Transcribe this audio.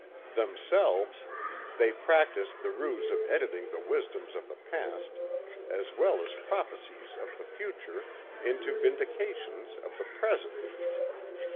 Themselves, they practised the ruse of editing the wisdoms of the past as well as prophecies of the future into vindications of the present.